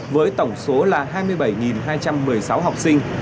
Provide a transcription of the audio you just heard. với tổng số là hai mươi bảy hai trăm một mươi sáu học sinh